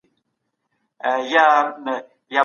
بڼوال به د بوټو ناروغي له منځه وړې وي.